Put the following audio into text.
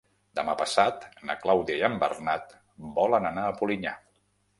Demà passat na Clàudia i en Bernat volen anar a Polinyà.